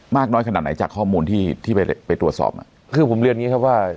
น้อยขนาดไหนจากข้อมูลที่ที่ไปไปตรวจสอบอ่ะคือผมเรียนอย่างงี้ครับว่า